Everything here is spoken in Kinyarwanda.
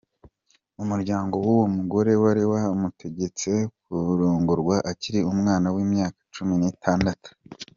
Umuryango w'uwo mugore wari wamutegetse kurongorwa akiri umwana w'imyaka cumi n'itandatu.